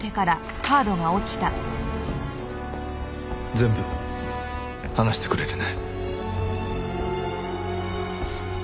全部話してくれるね？